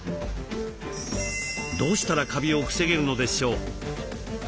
どうしたらカビを防げるのでしょう？